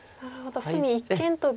隅一間トビで。